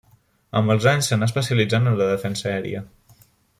Amb els anys s'anà especialitzant en la defensa aèria.